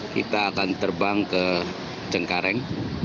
kita akan terbang ke cengkareng